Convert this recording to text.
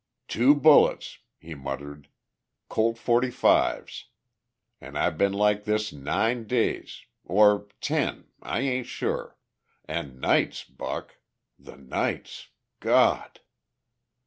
"Two bullets," he muttered. "Colt forty fives. An' I been like this nine days. Or ten, I ain't sure. An' nights, Buck. The nights ... Gawd!"